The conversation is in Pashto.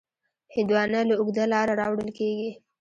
هندوانه له اوږده لاره راوړل کېږي.